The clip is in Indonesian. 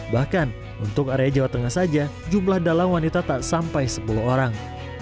bahkan untuk area jawa tengah saja jumlah dalang wanita tak sampai sepuluh orang